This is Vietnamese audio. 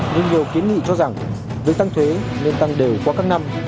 nhưng nhiều kiến nghị cho rằng với tăng thuế nên tăng đều qua các năm